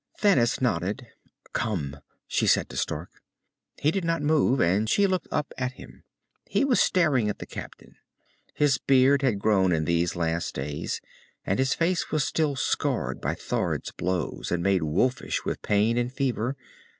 Thanis nodded. "Come," she said to Stark. He did not move, and she looked up at him. He was staring at the captain. His beard had grown in these last days, and his face was still scarred by Thord's blows and made wolfish with pain and fever.